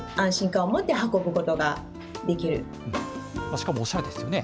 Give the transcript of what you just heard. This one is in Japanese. しかもおしゃれですよね。